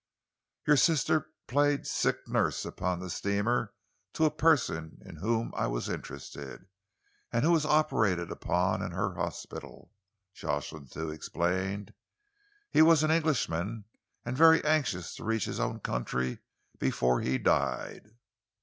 "Your sister played sick nurse upon the steamer to a person in whom I was interested, and who was operated upon in her hospital," Jocelyn Thew explained. "He was an Englishman, and very anxious to reach his own country before he died."